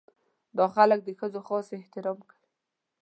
دا خلک د ښځو خاص احترام کوي.